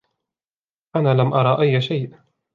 انا لم ارى اي شيء.